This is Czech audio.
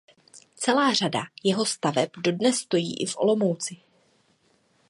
Celá řada jeho staveb dodnes stojí i v Olomouci.